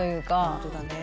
本当だね。